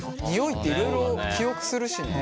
匂いっていろいろ記憶するしね。